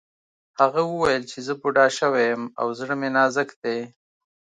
هغه وویل چې زه بوډا شوی یم او زړه مې نازک دی